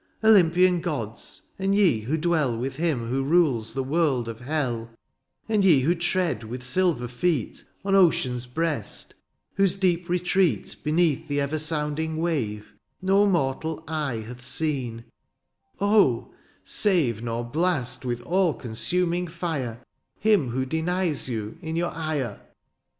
^^ Olympian gods, and ye who dwell ^^ With him who rules the world of hell ;^^ And ye who tread with silver feet ^^ On ocean's breast, whose deep retreat ^^ Beneath the ever sounding wave '^ No mortal eye hath seen, — Oh 1 save, ^^ Nor blast with all consuming fire, ^^ Him who denies you, in your ire.